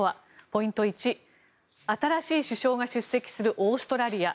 ポイント１、新しい首相が出席するオーストラリア。